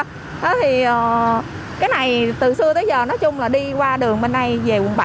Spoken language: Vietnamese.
thì cái này từ xưa tới giờ nói chung là đi qua đường bên đây về quận bảy